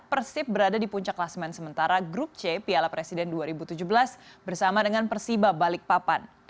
persib berada di puncak klasemen sementara grup c piala presiden dua ribu tujuh belas bersama dengan persiba balikpapan